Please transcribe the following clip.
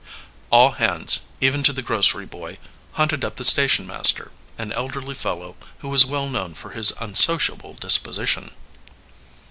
All hands, even to the grocery boy, hunted up the station master, an elderly fellow who was well known for his unsociable disposition.